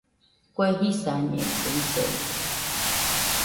Kue jisañede isoide